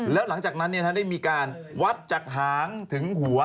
แล้วหลังจากนั้นได้มีการวัดจากหางถึงหัว